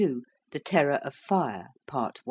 THE TERROR OF FIRE. PART I.